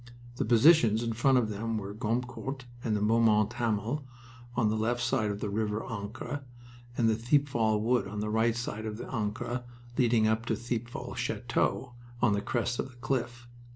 The positions in front of them were Gommecourt and Beaumont Hamel on the left side of the River Ancre, and Thiepval Wood on the right side of the Ancre leading up to Thiepval Chateau on the crest of the cliff.